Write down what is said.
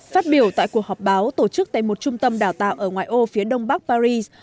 phát biểu tại cuộc họp báo tổ chức tại một trung tâm đào tạo ở ngoại ô phía đông bắc paris